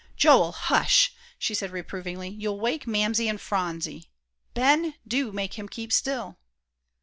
"Joel, hush!" she said reprovingly, "you'll wake Mamsie and Phronsie! Ben, do make him keep still!"